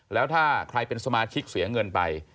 แล้วถ้าใครเป็นสมาชิกเสียเงินไป